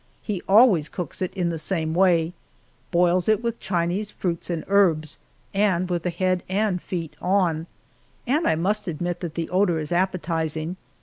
He always cooks it in the one way boils it with Chinese fruits and herbs, and with the head and feet on and I must admit that the odor is appetizing.